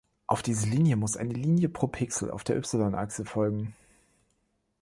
Auf diese Linie muss eine Linie pro Pixel auf der Y-Achse folgen.